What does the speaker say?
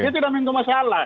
dia tidak menyentuh masalah